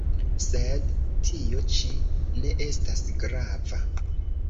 Sed tio ĉi ne estas grava.